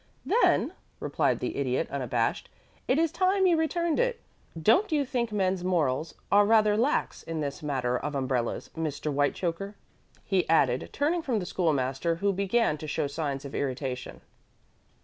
"Then," replied the Idiot, unabashed, "it is time you returned it. Don't you think men's morals are rather lax in this matter of umbrellas, Mr. Whitechoker?" he added, turning from the School master, who began to show signs of irritation.